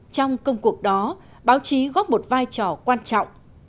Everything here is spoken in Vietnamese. trong công cuộc đó báo chí góp một vai trò quan trọng